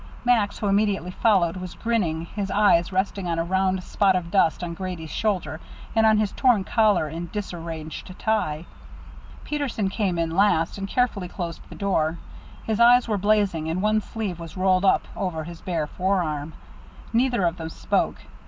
Max, who immediately followed, was grinning, his eyes resting on a round spot of dust on Grady's shoulder, and on his torn collar and disarranged tie. Peterson came in last, and carefully closed the door his eyes were blazing, and one sleeve was rolled up over his bare forearm. Neither of them spoke.